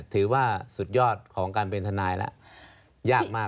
ถือว่าสุดยอดของการเป็นทนายแล้วยากมาก